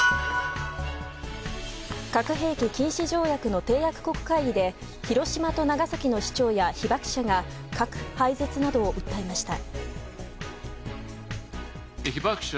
核兵器禁止条約の締約国会議で広島と長崎の市長や被爆者が核廃絶などを訴えました。